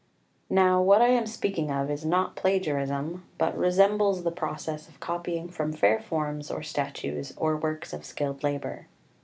4 Now what I am speaking of is not plagiarism, but resembles the process of copying from fair forms or statues or works of skilled labour.